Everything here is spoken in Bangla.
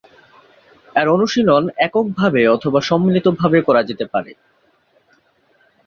এর অনুশীলন এককভাবে অথবা সম্মিলিতভাবে করা যেতে পারে।